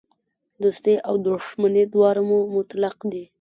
دوستي او دښمني دواړه مو مطلق دي.